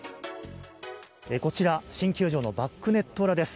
こちら新球場のバックネット裏です。